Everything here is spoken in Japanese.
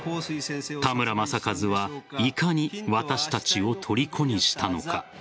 田村正和はいかに私たちをとりこにしたのか。